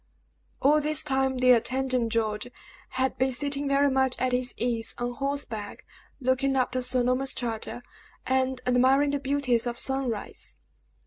All this time, the attendant, George, had been sitting, very much at his ease, on horseback, looking after Sir Norman's charger and admiring the beauties of sunrise.